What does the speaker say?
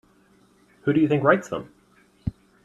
Who do you think writes them?